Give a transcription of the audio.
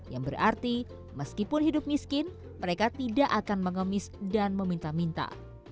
yang berarti meskipun hidup miskin mereka tidak akan mengemis dan meminta minta